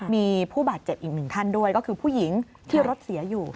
มีผู้บาดเจ็บอีกหนึ่งท่านด้วยก็คือผู้หญิงที่รถเสียอยู่